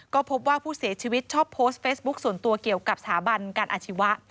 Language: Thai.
ก็พบว่าผู้เสียชีวิตชอบโพสต์เฟซบุ๊คส่วนตัวเกี่ยวกับสถาบันการอาชีวะ